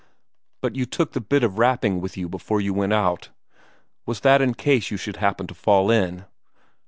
"But you took the bit of wrapping with you before you went out was that in case you should happen to fall in?"